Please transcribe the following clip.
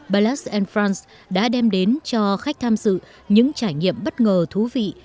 ballast france đã đem đến cho khách tham dự những trải nghiệm bất ngờ thú vị